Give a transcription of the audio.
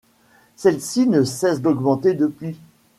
Celle-ci ne cesse d'augmenter depuis.